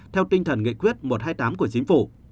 theo tinh thần nghị quyết một trăm hai mươi tám của chính phủ